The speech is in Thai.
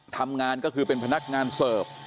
ทำงานก็คือเป็นพนักงานเสิร์ฟ